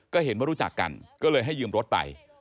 ก็เห็นว่ารู้จักกันก็เลยให้ยืมรถไป